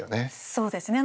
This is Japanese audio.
そうですね